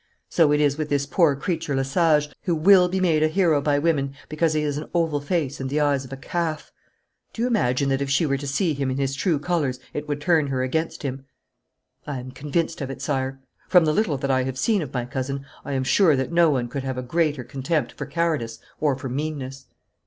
So it is with this poor creature Lesage, who will be made a hero by women because he has an oval face and the eyes of a calf. Do you imagine that if she were to see him in his true colours it would turn her against him?' 'I am convinced of it, sire. From the little that I have seen of my cousin I am sure that no one could have a greater contempt for cowardice or for meanness.'